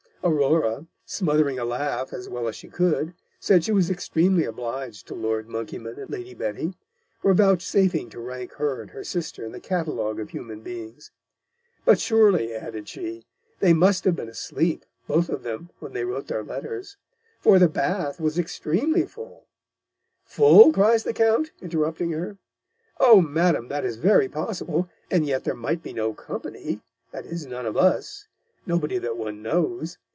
Aurora, smothering a Laugh as well as she could, said she was extremely obliged to Lord Monkeyman and Lady Betty, for vouchsafing to rank her and her Sister in the Catalogue of human Beings. 'But, surely,' added she, 'they must have been asleep, both of them, when they wrote their Letters; for the Bath was extremely full,' 'Full!' cries the Count, interrupting her; "Oh, Madam, that is very possible, and yet there might be no Company that is, none of us; Nobody that one knows.